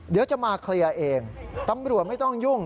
เดี๋ยวจะมาเคลียร์เองตำรวจไม่ต้องยุ่ง